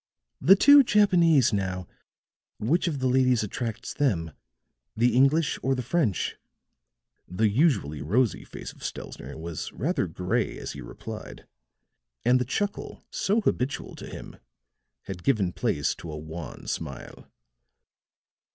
"The two Japanese now, which of the ladies attracts them the English or the French?" The usually rosy face of Stelzner was rather gray as he replied, and the chuckle so habitual to him had given place to a wan smile.